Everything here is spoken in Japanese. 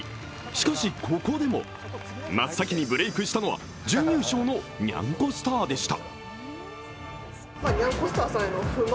しかし、ここでも真っ先にブレイクしたのは準優勝のにゃんこスターでした。